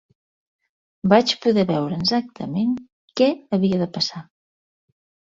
Vaig poder veure exactament què havia de passar.